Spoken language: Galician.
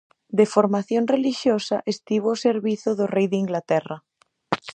De formación relixiosa, estivo ao servizo do rei de Inglaterra.